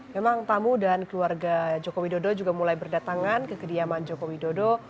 memang tamu dan keluarga joko widodo juga mulai berdatangan ke kediaman joko widodo